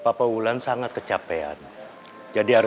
bagaimana dok keadaan papa saya